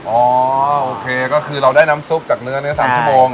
โอเคก็คือเราได้น้ำซุปจากเนื้อเนื้อ๓ชั่วโมง